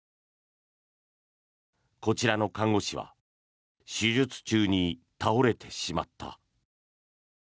こちらの看護師は手術中に倒れてしまった。